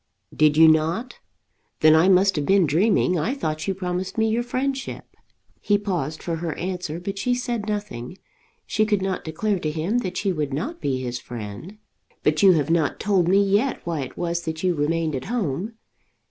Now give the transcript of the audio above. "Did you not? Then I must have been dreaming. I thought you promised me your friendship." He paused for her answer, but she said nothing. She could not declare to him that she would not be his friend. "But you have not told me yet why it was that you remained at home.